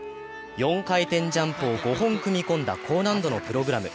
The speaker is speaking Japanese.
４回転ジャンプを５回組み込んだ高難度のプログラム。